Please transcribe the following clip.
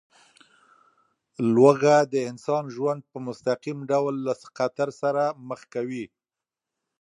لوږه د انسان ژوند په مستقیم ډول له خطر سره مخ کوي.